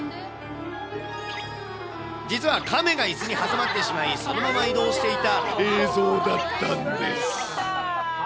実は亀がいすに挟まってしまい、そのまま移動していた映像だったんです。